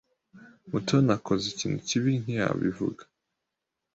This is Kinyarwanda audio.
Mutoni yakoze ikintu kibi ntiyabivuga.